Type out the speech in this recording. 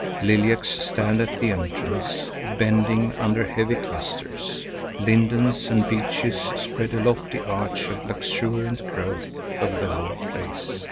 Lilacs stand at the entrance, bending under heavy clusters. Lindens and beeches spread a lofty arch of luxuriant growth over the whole place.